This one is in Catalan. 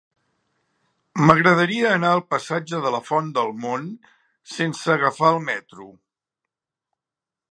M'agradaria anar al passatge de la Font del Mont sense agafar el metro.